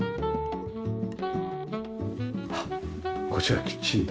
はっこちらキッチンだ。